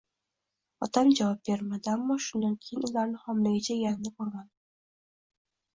Otam javob bermadi. Ammo shundan keyin ularni xomligicha yeganini ko'rmadim.